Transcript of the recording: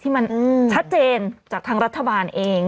ที่มันชัดเจนจากทางรัฐบาลเอง